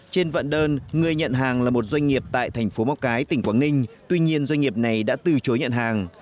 trên vận đơn người nhận hàng là một doanh nghiệp tại thành phố móng cái tỉnh quảng ninh tuy nhiên doanh nghiệp này đã từ chối nhận hàng